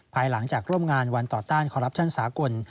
ภายหลังจากร่วมงานวันต่อต้านคอรัปชั่นสากล